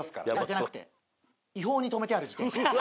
じゃなくて違法に停めてある自転車。